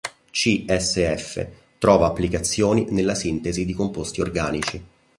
CsF trova applicazioni nella sintesi di composti organici.